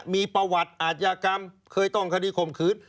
มีประวัติอาชญากรรมเคยต้องคดีข่มขืน